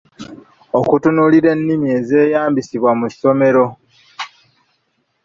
Okutunuulira ennimi ezeeyambisibwa mu ssomero